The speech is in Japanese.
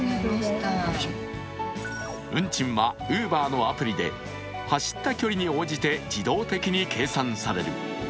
運賃はＵｂｅｒのアプリで走った距離に応じて自動的に計算される。